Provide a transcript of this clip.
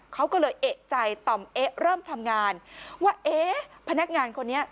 เขาก็เลยเอกใจต่อมเอ๊ะเริ่มทำงานว่าเอ๊ะพนักงานคนนี้